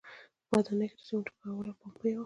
په ودانیو کې د سیمنټو کارول او پمپ یې و